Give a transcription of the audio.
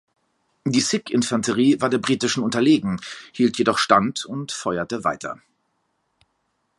Die Sikh-Infanterie war der britischen unterlegen, hielt jedoch stand und feuerte weiter.